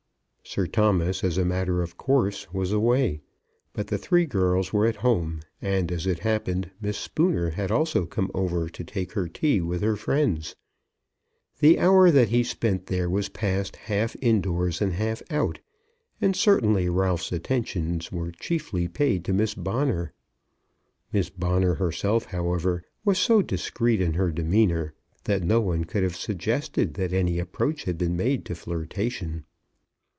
Sir Thomas, as a matter of course, was away, but the three girls were at home; and, as it happened, Miss Spooner had also come over to take her tea with her friends. The hour that he spent there was passed half indoors and half out, and certainly Ralph's attentions were chiefly paid to Miss Bonner. Miss Bonner herself, however, was so discreet in her demeanour, that no one could have suggested that any approach had been made to flirtation.